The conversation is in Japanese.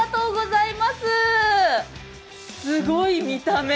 すごい見た目。